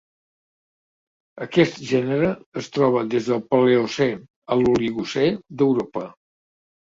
Aquest gènere es troba des del Paleocè a l'Oligocè d'Europa.